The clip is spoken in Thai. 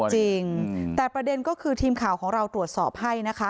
จริงแต่ประเด็นก็คือทีมข่าวของเราตรวจสอบให้นะคะ